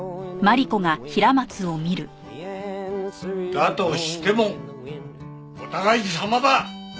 だとしてもお互いさまだ！